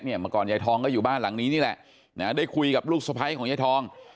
เมื่อก่อนยายทองก็อยู่บ้านหลังนี้นี่แหละได้คุยกับลูกสะพ้ายของยายทอง